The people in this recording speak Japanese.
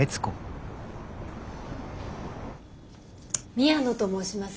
宮野と申します。